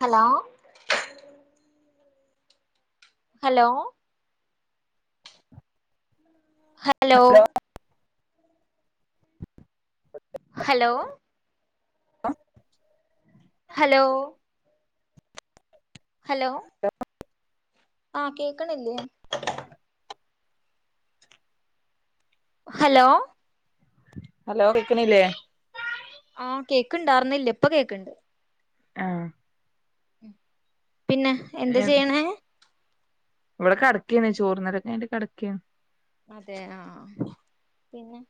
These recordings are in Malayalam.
ഹലോ ഹലോ ഹലോ ഹലോ ആ ഹലോ ഹലോ ആ കേക്കണില്ലേ ഹലോ ഹലോ കേക്കുന്നില്ലേ ആ കേക്കിണ്ടാർന്നില്ല ഇപ്പൊ കേക്കിണ്ട് ആ പിന്നെ എന്ത് ചെയ്യണേ ഇവിടെ കടയ്ക്കാണ് ചോറുന്നരൊക്കെ കഴിഞ്ഞു കിടയ്ക്കാണ് അതെ ആഹ് പിന്നെ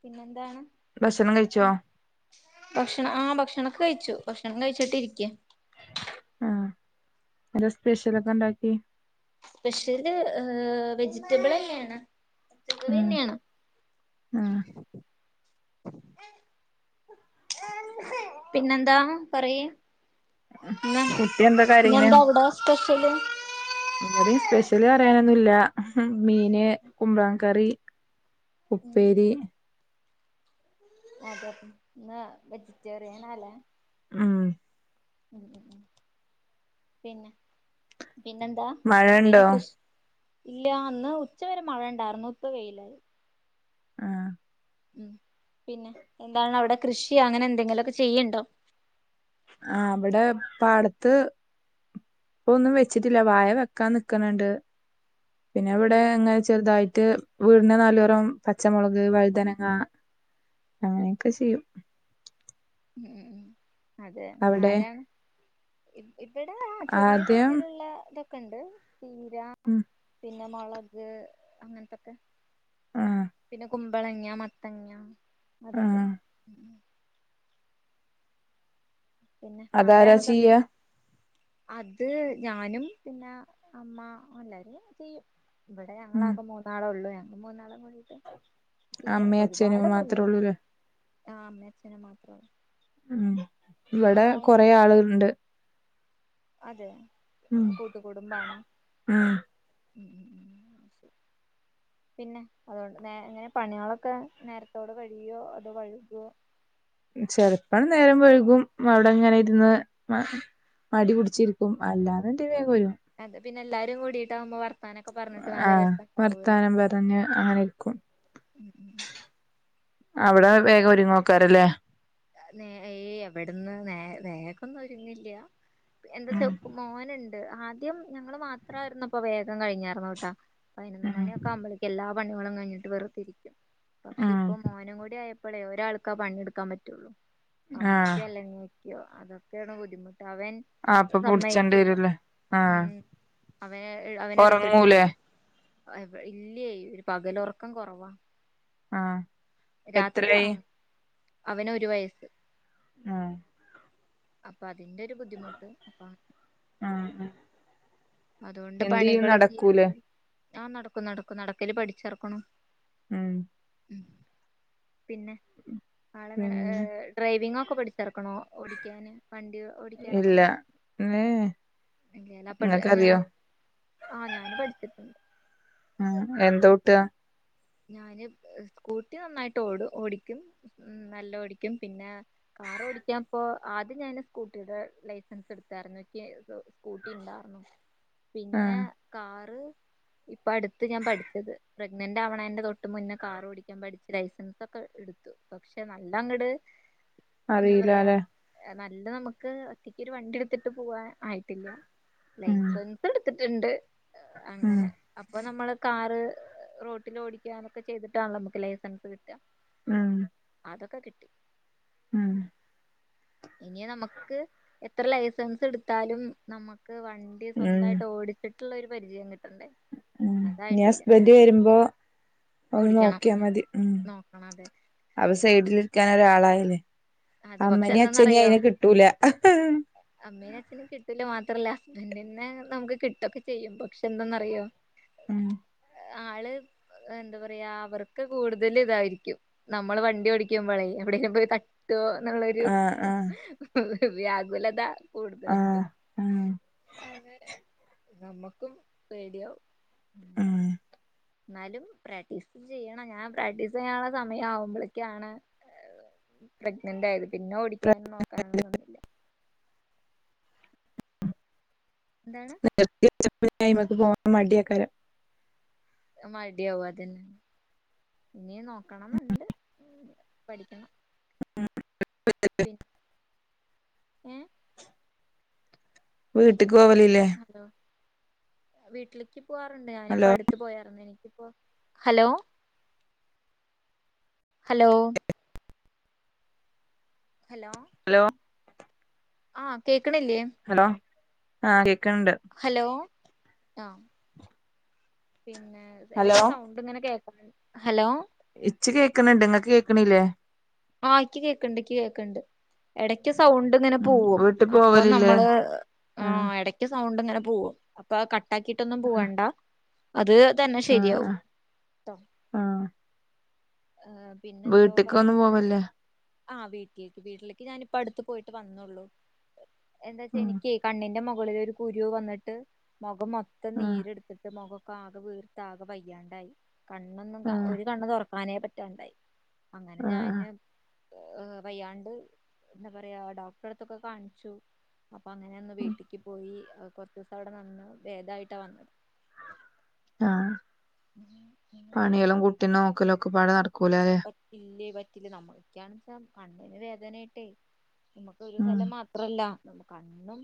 പിന്നെ എന്താണ് ഭക്ഷണം കഴിച്ചോ ഭക്ഷണം ആഹ് ഭക്ഷണൊക്കെ കഴിച്ചു ഭക്ഷണം കഴിച്ചിട്ട് ഇരി [unintelligible] ആഹ് വല്ല സ്പെഷ്യലൊക്കെ ഉണ്ടാക്കി സ്പെഷ്യൽ ഹ് വെജിറ്റബിൾ തന്നെയാണ് പച്ചക്കറി ഉം തന്നെയാണ് ഉം പിന്നെന്താ പറയ് ഇന്ന് കുട്ടി എന്താ കരയുന്നെ ഇന്നെന്താ അവിടെ സ്പെഷ്യല് ഇവിടെ സ്പെഷ്യൽ സ്പെഷ്യൽ എന്ന് പറയാനൊന്നുമില്ല മീന് കുമ്പളം കറി ഉപ്പേരി അതെ ഇന്ന് വെജിറ്റേറിയനാല്ലേ ആഹ് ഉം ഉം ഉം പിന്നെ പിന്നെന്താ മഴണ്ടോ എന്തേലും കൃഷി ഇല്ല അന്ന് ഉച്ചവരെ മഴ ഇണ്ടായിരുന്നു ഇപ്പ വെയിലായ് ആഹ് ഉം പിന്നെ എന്താണ് അവിടെ കൃഷിയോ അങ്ങനെ എന്തെങ്കിലുമൊക്കെ ചെയ്യണ്ടോ ആഹ് ഇബെടെ പാടത്ത് ഇപ്പൊന്നും വെച്ചിട്ടില്ല വായ വെക്കാൻ നിക്കണണ്ട് പിന്നെ ഇവടെ അതെ അങ്ങനെ ചെറുതായിട്ട് റ്റ് വീടിന് നല്ലോരം പച്ച മൊളക് വഴുതനങ്ങ അങ്ങനെയൊക്കെ ചെയ്യും ഉം അതെ അവിടെ ആരാണ് ഇവിടെ ആഹ് ചെറിയ ആദ്യം തോതിലുള്ള നിക്ക്ണ്ട് ചീര ഉം പിന്നെ മൊളക് അങ്ങൻത്തൊക്കെ ആഹ് പിന്നെ കു കുമ്പളങ്ങ മത്തങ്ങ്യ അതൊക്കെ ആഹ് ഉം ഉം പിന്നെ അതാരാ ആരാണ് ഇതൊക്കെ ചെയ്യാ അത് ഞാനും പിന്നെ അമ്മ എല്ലാരും ചെയ്യും ഇബടെ ഉം ഞങ്ങളാകെ മൂന്നാളൊള്ളൂ ഞാൻ മൂന്നാളും കൂടീട്ട് അമ്മയും അച്ഛേനു മാത്രേ ഒള്ളൂല്ലേ ആഹ് അമ്മെ അച്ഛനും മാത്രള്ളു ഉം ഇവടെ കൊറെ ആളുകള്ണ്ട് അതെ കൂട്ടുകുടുംബാണോ ഉം ഉം പിന്നെ അതുകൊണ്ട് നേ എങ്ങനെ പണികളൊക്കെ നേരത്തോട് കഴിയോ അതോ വഴുകോ ചെലപ്പം നേരം വൈകും അവിടെങ്ങനെ ഇരുന്ന് മടി പിടിച്ചിരിക്കും അല്ലാന്നിണ്ടെങ്കി വേ പോരും പിന്നെല്ലാരും കൂടിയിട്ടാവുമ്പോ വർ ആ വർത്താനം പറഞ്ഞ് ആങ്ങനിരിക്കും ഉം ഉം ഉം അവിടെ ശരി. വേഗം ഒരുങ്ങോ പരല്ലേ ഏയ് എവിടന്ന് നേ നേക്കൊന്നും ഒരുതില്ല എന്താച്ച ഉം മോനുണ്ട് ആദ്യം ഞങ്ങള് മാത്രമായിരുന്നപ്പ വേഗം കഴിഞ്ഞാർന്നുട്ടാ പതിനൊന്ന് ഉം മണിയൊക്കെ ആവുമ്പോഴത്തേയ്ക്കെല്ലാം പണികളും കഴിഞ്ഞിട്ട് വെറുതിരിക്കും പക്ഷെ ഉം ഇപ്പൊ മോനും കൂടി ആയ അപ്പോളെ ഒരാൾക്കെ പണിയെടുക്കാൻ പറ്റുള്ളൂ ആഹ് അമ്മയ്ക്കൊ അല്ലെങ്കി അതൊക്കെയാണ് ബുദ്ധിമു അവൻ അപ്പൊ പുടിച്ചേണ്ടി സമ്മതിക്കില്ല വരൂല്ലേ ആഹ് ഉം അവന് അവനെ എടുത്തിട്ടി ഒറങ്ങൂലേ ഇല്ലേ ഒരു പകലൊറക്കം കുറവാ ആ രാത്രി ഉറങ്ങും അവന് ഒരു വയസ്സ് ആ അപ്പ അതിന്റെ ഒരു ബുദ്ധിമുട്ട് അപ്പൊ ആഹ് അതുകൊണ്ട് എന്ത് ചെയ്യും പണികള് നടക്കൂലേ തീരുമ്പോഴേക്ക് ആഹനടക്കും നടക്കും നടക്കല് പഠിച്ചിറക്കണു ഉം ഉം പിന്നെ ആളങ്ങനെ പിന്നെ ഡ്രൈവിംഗ് ഒക്കെ പഠിച്ചർക്കണോ ഓടിക്കാന് വണ്ടി ഓടിക്കാനൊക്കെ ഇല്ല പഠി ഏ അങ്ങനെ ഇങ്ങക്കറിയോ ആ ഞാന് പഠിച്ചിട്ടുണ്ട് ഓട്ട ഞാന് സ്കൂട്ടി നന്നായിട്ട് ഓടും ഓടിക്കും നല്ല ഓടിക്കും പിന്നെ കാർ ഓടിക്കാൻപ്പോ ആദ്യം ഞാന് സ്കൂട്ടിയുടെ ലൈസൻസ് എടുത്താരുന്നു എനിക്ക് സ്കൂട്ടി ഉണ്ടായിരുന്നു ആ പിന്നെ കാറ് ഇപ്പ അടുത്ത് ഞാൻ പഠിച്ചത് പ്രഗ്നന്റ് ആവണന്റെ ന്റെ തൊട്ട് മുന്നേ കാറ് ഓടിക്കാൻ പഠിച്ചു ലൈസൻസ് ഒക്കെ എടുത്തു പക്ഷെ നല്ല അങ്ങട് എന്താ പറയാ അറിയിലാല്ലേ നല്ല നമുക്ക് ഒറ്റയ്ക്ക ഒരു വണ്ടി എടുത്തിട്ട് പോവാൻ ആയിട്ടില്ല ഉം ലൈസൻസ് എടു എടുത്തിട്ടുണ്ട് ഉം അങ്ങനെ അപ്പൊ നമ്മള് കാറ് റോട്ടിൽ ഓട കൊക്കെ ചെയ്തിട്ടാണോ നമുക്ക് ലൈസൻസ് കിട്ടാം ഉം അതൊക്കെ കിട്ടി ഉം ഇനി നമുക്ക് എത്ര ലൈസൻസ് എടുത്താലും നമ ക്ക് വണ്ടി ഉം സ്വന്തായിട്ട് ഓടിച്ചിട്ട് ഒരു പരിചയം കിട്ടണ്ടേ ഉം ഇനി അതായിട്ടില്ല ഹസ്ബന്റ് വരുമ്പോ ഒന്ന് ഓടിക്കണം നോക്കിയാ മതി ഉം നോക്കണം അതെ അപ്പ സൈഡിലിര്ക്കാ ഇങ്ങനൊരാളായിലേ. അതെ പക്ഷെ എന്താന്നറിയോ അമ്മേനിം അച്ഛനിം കിട്ടൂല മാത്രല്ല [unintelligible] നമുക്ക് കിട്ടൊക്കെ ചെയ്യുമ്പം പക്ഷെ എന്തന്നറിയോ ഉം ആള് എന്താ പറയാ അവർക്ക് കൂടുതൽ ഇതായിരിക്കും നമ്മള് വണ്ടി ഓടിക്കുമ്പോളേ എവിടെങ്കിലും പോയി ട്ടുവോ എന്നുള്ളൊരു ആ ആ വ്യാഗുലത ആ കൂടുതലുണ്ട് ഉം അങ്ങനെ നമ്മക്കും പേടിയാവും അങ്ങനെ ഉം ന്നാലും പ്രാക്ടീസ് ചെയ്യണം ഞാൻ പ്രാക്ടീസ് ചെയ്യാനുള്ള സമയം ആവുമ്പ്ളിക്കാണ് പ്രഗ്നന്റ് ആയത്. പിന്നെ ഓടിക്കാനും നോക്കാനൊന്നും നിന്നില്ല. എന്താണ് [unintelligible] [unintelligible] അയ്മക്ക് പോവാൻ മടിയേക്കാരം മടിയാവും അതന്നെ. ഇനി നോക്കണം ന്നുണ്ട് പഠിക്കണം. പിൻ ഏഹ്? വീ ട്ട്ക്ക് പോവലില്ലേ? ഹലോ വീട്ടിലേക്ക് പോവാറുണ്ട് ഞാനിപ്പ ഹലോ അടുത്ത് പോയാ എനിക്കിപ്പോ ഹലോ ഹലോ ഹലോ ഹലോ ആഹ് കേ ക്ക്ണ്ല്ലേം ആഹ് കേ ക്ക്ണ്ട് ആഹ് പിന്നെ ഹലോ ഇടക്ക് സൗണ്ട് ഇങ്ങനെ കേ ഹലോ ഇച്ച് കേക്ക്ണണ്ട്ഇങ്ങക്ക് കേക്കണില്ലേ ആഹ ഇക്ക് കേക്കണ്ട് കേക്ക്ണ്ട് ഇടക്ക് സൗണ്ട് ഇങ്ങനെ ഉം പോവും വീട്ട് അപ്പൊ പോവലില്ലേ നമ്മള് ആ ആഹ് ഇടക്ക് സൗണ്ട് ഇങ്ങനെ പോവും അപ്പോ ക ട്ടാക്കിയിട്ടൊന്നും ആഹ് പോവണ്ട അത് തന്നെ ആഹ് ശരിയാവും ആഹ് ട്ടോ ആഹ് പിന്നെന്തോ വീട്ട്ക്കൊന്നും പറയണം പോവല്ലേ ആ വീട്ടിലേക്ക് വീട്ടിലേക്ക് ഞാനിപ്പ അടുത്ത് പോയിട്ട് വന്നുള്ളു എന്താച്ചാ ഉം എനിക്കെ കണ്ണിന്റെ മുഖ കളില് ഒരു കുരു വന്നിട്ട് മുഖം മൊ ത്തം ആഹ് നീരെടുത്തിട്ട് മുഖ പ്പാകെ വീർത്ത് ആകെ വയ്യാണ്ടായി കണ്ണൊന്നും കാ ആഹ് ഒരു കണ്ണ് തുറക്ക ക്കാനെ പറ്റാണ്ടായി അങ്ങനെ ആഹ് ആഹ് ഞാന് വയ്യാണ്ട് എന്താ പറയാ ഡോക്ടറെടുത്തൊക്കെ കാണിച്ചു അപ്പൊ അങ്ങനെ ന്ന് ഉം വീട്ടിക്ക് പോയി കൊറച്ച്സം അവിടെ നിന്ന് ഭേദായിട്ടാ വന്നത് ആ പണികളും കുട്ടീനെ നോക്കലും ഒക്കപ്പാടെ നട് പറ്റില്ലേ പ റ്റില്ല നമ്മളൊക്കെയണെച്ച കണ്ണിന് വേദനയട്ടേ നമ്മക്ക് ഒരു ഉം സ്ഥലം മാത്രല്ല കണ്ണും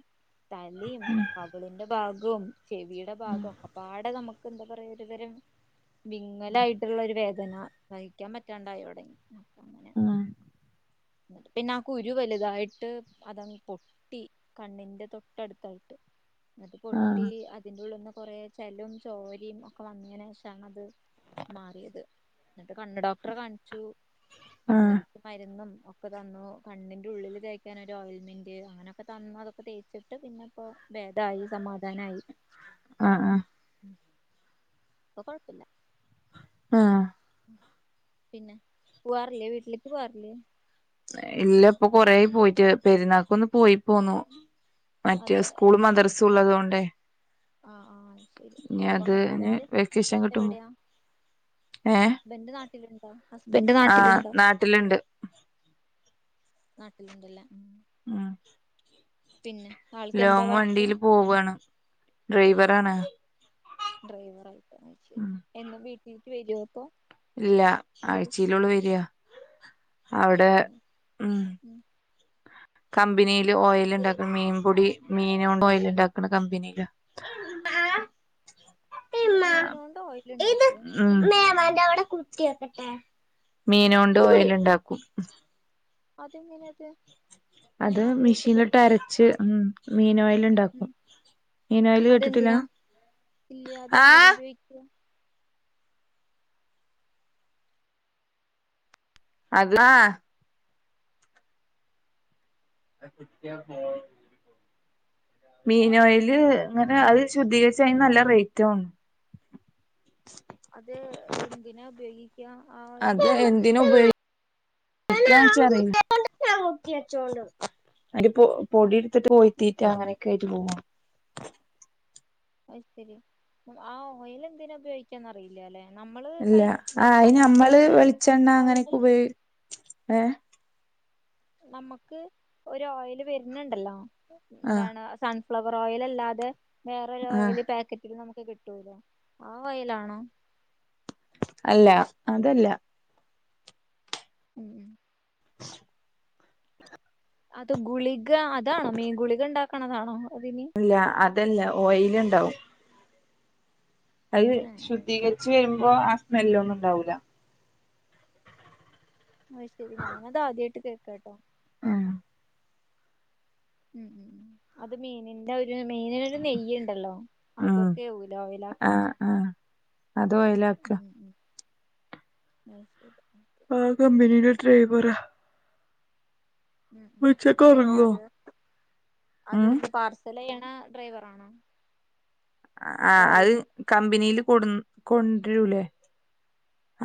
തലേം കവിളിന്റെ ഭാ ഗും ചെവിയുടെ ഭാഗം ഒക്കെപാടെ നമ്മക്ക് എന്താ പറയാ വിവരം വിങ്ങലായിട്ടുള്ള ഒരു വെ ദന വൈ നിക്കാൻ പറ്റാണ്ടായവിടെ മം പിന്നെ ആകുരു വലുതായിട്ട് അതങ് പൊട്ടി കണ്ണിന്റെ തൊട്ടടുത്തായിട്ട് അത് പൊട്ടി ആഹ് അതിന്റെയുള്ളീന്നു കുറ ചെലും ചോരിയും ഒക്കെ വന്നതിന് ശേഷമാണ് അത് മാറിയത് എന്നിട്ട് കണ്ണു ഡോക്ടറെ കാണിച്ചു ആഹ് കണ്ണില് മരുന്നും ഒക്കെ തന്നു കണ്ണിന്റെ ഉള്ളില് തേക്കാനൊരു ഓയിൽമെന്റ് അങ്ങനെയൊക്കെ തന്നു അതൊക്കെ തേച്ചിട്ട് പിന്നെ ഇപ്പോ ഭേദായി സമാധാനമായി ആ ആ പ്പൊ കൊഴപ്പില്ല ആ പിന്നെ പോവാറില്ലേ വീട്ടിലേക്ക് പോവാറില്ലേ ഇല്ല ഇപ്പൊ കൊറെയി പോയിട്ട് പെരുന്നാക്കൊന്ന് പോയി പോന്നു മറ്റേ സ്കൂള് മദ്രസ് സുള്ളതുകൊണ്ടേ ആ ആ ശരി അപ്പൊ ഇനി ഹസ്ബൻഡ് വെക്കേഷൻ കിട്ടുമ്പോ എവിടെയാ ഹസ്ബൻഡ് നാട്ടിലുണ്ടോ ഹസ്ബൻഡ് ആ നാട്ടിലുണ്ടോ നാട്ടിലിണ്ട് നാട്ടിലുണ്ടല്ലേ ആ പിന്നെ ആൾക്ക് എന്താ ലോങ് വർക്ക് വണ്ടിൽ പോവാണ് ഡ്രൈവർ കാണ് ഡ്രൈവറാ ശരി എന്നും വീട്ടിക്ക് വരുവോ അപ്പൊ ഇല്ല ഇല്ലല്ലോ ആഴ്ചയിലുള്ളൂ വരിയാ അവിടെ അതെ ഉം കമ്പനിയില് ഓയിൽ ഉണ്ടാക്കും മീൻപൊടി മീൻ കൊണ്ട് ഓയിൽ ഉണ്ടാക്കണ കമ്പനിയില് മീനോണ്ട് ഓയിൽ ഉണ്ടാക്കോ എന്ന് ഉം മീനോണ്ടു ഓയിൽ ഉണ്ടാക്കും അതെങ്ങനാത് അത് മിഷീനിലിട്ടു അരച്ച് ഉം മീനായി ഉം ണ്ടാക്കും മീനോയില് കേട്ടിട്ടില്ല അതെന്തിനാ ഇല്ല ആ അതെന്തിനാ ഉപയോഗിക്കുക അതാ [unintelligible] മീനോയില് അങ്ങനെ അത് ശുദ്ധീകരിച്ച് അതിനു നല്ല റേറ്റുവാണ് അത് എന്തിനാ ഉപയോഗിക്കുക ആ ഓയില് അതെ എന്തിനുപയോഗി എന്നുവെച്ചാലേ ഒരു പൊടി എപ്പോയും തീറ്റ അങ്ങനെ [unintelligible] കേട്ട്. പോണോ...? അത് ശരി. ആ ഓയില് എന്തിനാ ഉപയോഗിക്കാന്ന് അറിയില്ല.. അല്ലെ..? ഇല്ല... ങാ.. അയിന് നമ്മള് വെളിച്ചെണ്ണ.. ഓയിൽ അങ്ങനെയൊക്കെ ഉപയോഗി.. ങേ.. നമുക്ക് ഒരു ഓയില് വരുന്നുണ്ടല്ലോ.. ആ എന്താണ്... സൺ ഫ്ലവർ ഓയിൽ അല്ലാതെ...? ആ വേറൊരോയില് പാക്കറ്റില് നമു കിട്ടൂല. ആ ഓയിലാണോ...? അല്ല അതല്ല. ഉം ഉം ച്ച് അത് ഗുളിക അതാണോ മീൻ ഗുളിക ഇണ്ടാക്കണതാണോ. ഇല്ല അ ഇതല്ല, ഓയില് ഇണ്ടാവും. അത് ശുദ്ധീകരിച്ച് പ്പോ ആ സ്മെല്ലൊന്നും ഇണ്ടാവുല്ല. അത്ശരി ഞാനതാദ്യായിട്ട് കേക്കട്ടോ. ഉം. ഉം ഉം അത് മീനിന്റെ ഒര് ര്, മീനിന് ഒരു നെയ്യുണ്ടല്ലോ ആഹ് അതൊക്കെ ഉടോയിലാക്കണത്. ആഹ് ആഹ് അത് ഓയിലാക്ക എന്ന ശെരി. അഹ്, കമ്പിനിയില്ലേ ഡ്രൈവറ. ഉം ഉം, അങ്ങനെ ഒറങ്ങോ അത്, അത് ഉം പാർസൽച്ചേയ് ആ ഡ്രൈവറാണോ. ആ ആഹ് അത് ഓയില് കമ്പനിയിൽ കൊടു കൊണ്ടുരൂല്ലേ.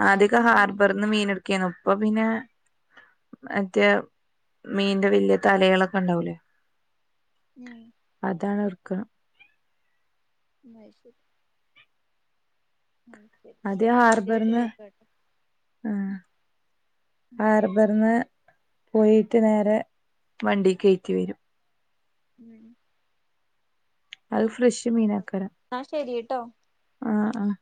ആദ്യയൊക്കെ ഉം ഹാർബറിന്ന് മീൻ എടുക് ക്കേണ് ഇപ്പ പിന്നെ മറ്റേ മീന്റെ വലിയ തലേളൊക്കെ ഉണ്ടാവൂലേ. ഉം അതാണ് ഏർ ക്ക ഇന്നാ ആയിശേരി. ഇത് അതെ ഞാൻ ആദ്യായിട്ട് ഹാർബറിന് കേക്കാട്ടോ ഉം ഉം ഹാർബറിന്. പോയിട്ട് നേരെ, വണ്ടി കെയറ്റി വരും. ഉം അത് ഫ്രഷ് മീനാക്കാരം എന്നാ ശരിട്ടോ ആഹ് ആഹ്